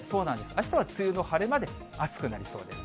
あしたは梅雨の晴れ間で、暑くなりそうです。